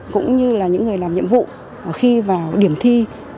cũng như là những người làm nhiệm vụ khi vào điểm thi